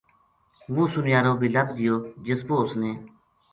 وہ سُنیارو بے لَبھ گیو جس پو اُس نے